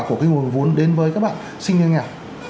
của cái nguồn vốn đến với các bạn sinh viên nghèo